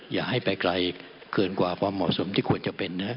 อย่าให้ไปไกลเกินกว่าความเหมาะสมที่ควรจะเป็นนะครับ